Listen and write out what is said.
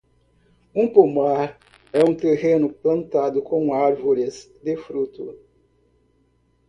Um pomar é um terreno plantado com árvores de fruto.